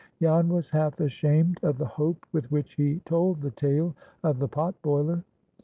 Jan was half ashamed of the hope with which he told the tale of the pot boiler.